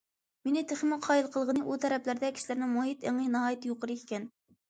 مېنى تېخىمۇ قايىل قىلغىنى ئۇ تەرەپلەردە كىشىلەرنىڭ مۇھىت ئېڭى ناھايىتى يۇقىرى ئىكەن.